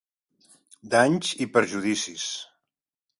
Danys i perjudicis.